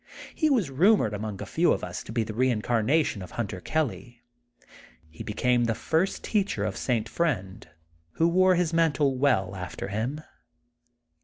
He was rumored among a few of us to be the reincarnation of Hunter Kelly. He became the first teacher of St. Friend, who wore his mantle well after him.